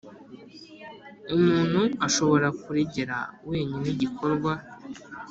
Umuntu ashobora kuregera wenyine igikorwa